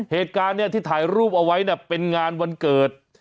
เหตุการณ์เนี่ยที่ถ่ายรูปเอาไว้เนี่ยเป็นงานวันเกิด